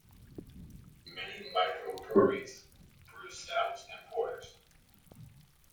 Many microbreweries brew stouts and porters.